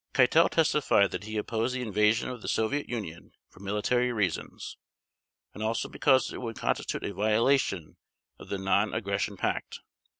Keitel testified that he opposed the invasion of the Soviet Union for military reasons, and also because it would constitute a violation of the Non aggression Pact.